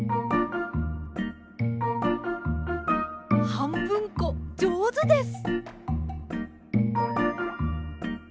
はんぶんこじょうずです。